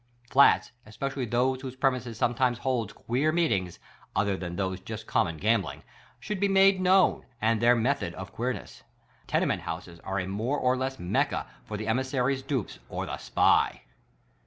Flats, especially those whose premises som.etimes ho'lds queer meetings — other th an for just common gambling— ishould be made known, and their method of queerness. Tenement houses are a more or less mecca for the emissaries' dupes or the SPY.